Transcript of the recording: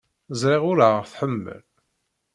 Ẓriɣ ur aɣ-tḥemmel.